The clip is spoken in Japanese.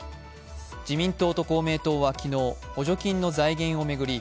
自民党と公明党は昨日、補助金の財源を巡り